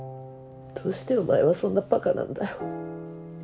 どうしてお前はそんなばかなんだよ。